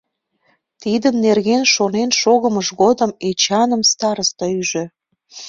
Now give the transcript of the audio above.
Тиде нерген шонен шогымыж годым Эчаным староста ӱжӧ.